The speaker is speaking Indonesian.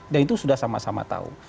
dan itu sudah sama sama tahu